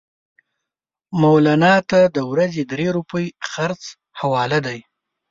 مولنا ته د ورځې درې روپۍ خرڅ حواله دي.